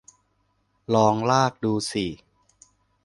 ลองลากดูสิ